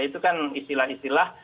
itu kan istilah istilah